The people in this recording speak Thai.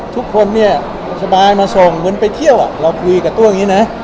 ทุกคนเนี่ยสบายมาส่งเหมือนไปเที่ยวเราคุยกับตัวอย่างนี้นะ